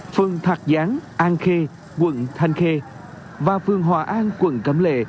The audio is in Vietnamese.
phường thạc giáng an khê quận thanh khê và phường hòa an quận cẩm lệ